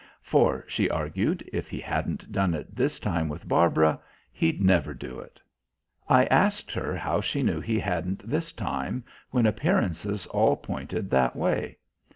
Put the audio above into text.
For, she argued, if he hadn't done it this time with Barbara, he'd never do it. I asked her how she knew he hadn't, this time, when appearances all pointed that way?